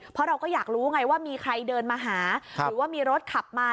เพราะเราก็อยากรู้ไงว่ามีใครเดินมาหาหรือว่ามีรถขับมา